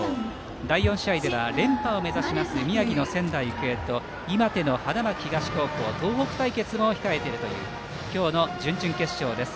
第４試合では連覇を目指します宮城の仙台育英と岩手の花巻東高校東北対決も控えているという今日の準々決勝です。